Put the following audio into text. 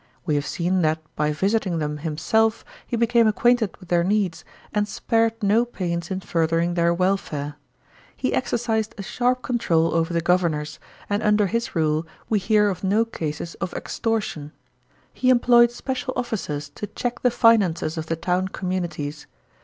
We have seen that by visiting them himself he became acquainted with their needs, and spared no pains in furthering their welfare. He exercised a sharp control over the governors, and under his rule we hear of no cases of extor tion. He employed special officers to check the finances of the town communities.